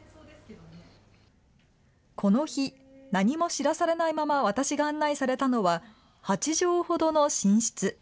この日、何も知らされないまま私が案内されたのは、８畳ほどの寝室。